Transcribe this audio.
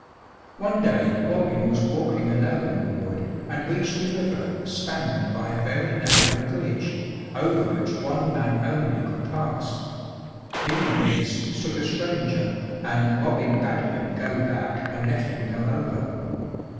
One day Robin was walking alone in the wood, and reached a river spanned by a very narrow bridge, over which one man only could pass. In the midst stood a stranger, and Robin bade him go back and let him go over.